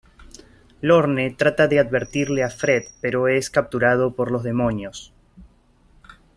Lorne trata de advertirle a Fred pero es capturado por los demonios.